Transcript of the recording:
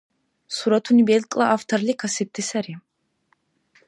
Суратуни белкӀла авторли касибти сари.